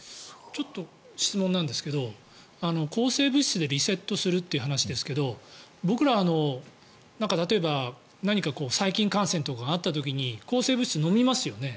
ちょっと質問なんですけど抗生物質でリセットするという話ですけど僕ら、例えば何か細菌感染とかがあった時に抗生物質を飲みますよね。